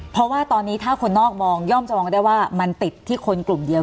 เพราะว่าตอนนี้ถ้าคนนอกมองย่อมจะมองได้ว่ามันติดที่คนกลุ่มเดียว